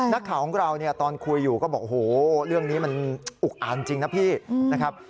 นักข่าวของเราเนี่ยตอนคุยอยู่ก็บอกโอ้โหเรื่องนี้มันอุกอ่านจริงนะพี่นะครับ